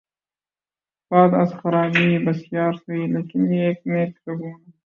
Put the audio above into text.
بعد از خرابیء بسیار سہی، لیکن یہ ایک نیک شگون ہے۔